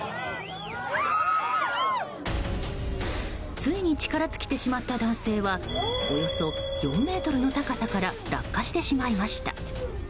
ついに力尽きてしまった男性はおよそ４ｍの高さから落下してしまいました。